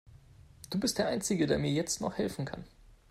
Du bist der einzige, der mir jetzt noch helfen kann.